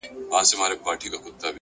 مثبت انسان د ستونزو ترمنځ فرصت مومي!.